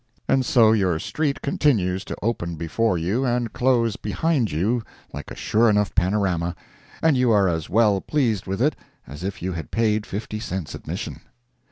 And so your street continues to open before you and close behind you like a sure enough panorama, and you are as well pleased with it as if you had paid fifty cents admission.